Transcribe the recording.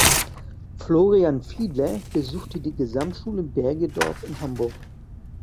Florian Fiedler besuchte die Gesamtschule Bergedorf in Hamburg.